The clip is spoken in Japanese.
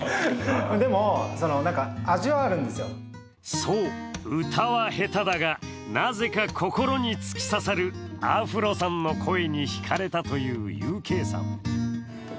そう、歌は下手だが、なぜか心に突き刺さるアフロさんの声にひかれたというＵＫさん。